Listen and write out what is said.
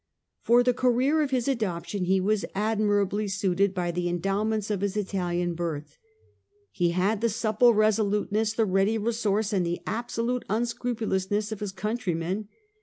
For the career of his adoption he was admirably suited by the endowments of his Italian birth. He had the supple resoluteness, the ready resource, and the absolute un scrupulousness of his countrymen.